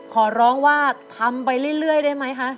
ขอร้องว่าทำไปเรื่อยได้ไหมคะ